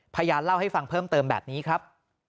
พยานเล่าให้ฟังเพิ่มเติมแบบนี้ครับ